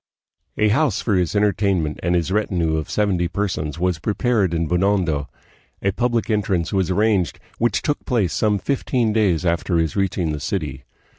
A house for his entertainment and his retinue of seventy per sons was prepared in Binondo. A public entrance was arranged, which took place some fifteen days after his reaching the city.